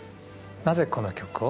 なぜこの曲を？